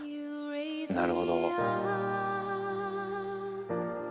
なるほど。